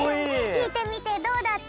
きいてみてどうだった？